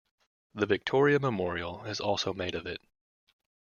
The Victoria Memorial is also made of it.